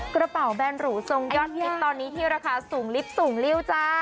กระเป๋าแบนหรูทรงยอดฮิตตอนนี้ที่ราคาสูงลิฟต์สูงริ้วจ้า